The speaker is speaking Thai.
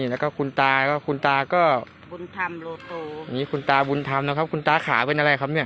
แล้วก็คุณตาก็คุณตาก็บุญธรรมอย่างนี้คุณตาบุญธรรมนะครับคุณตาขาเป็นอะไรครับเนี่ย